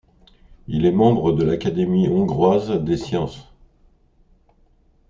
Il est membre de l'Académie hongroise des sciences.